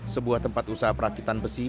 sebuah tempat usaha perakitan besi